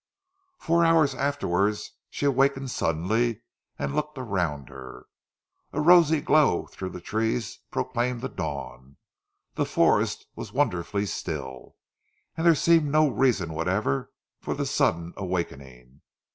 Four hours afterwards she awakened suddenly and looked around her. A rosy glow through the trees proclaimed the dawn. The forest was wonderfully still, and there seemed no reason whatever for the sudden awakening.